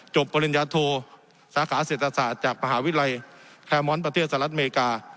ปริญญาโทสาขาเศรษฐศาสตร์จากมหาวิทยาลัยแคร์มอนด์ประเทศสหรัฐอเมริกา